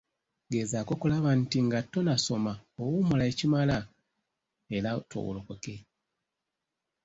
Gezaako okulaba nti nga tonnasoma owummula ekimala era otoowolokoke.